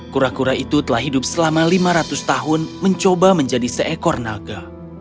kura kura itu telah hidup selama lima ratus tahun mencoba menjadi seekor naga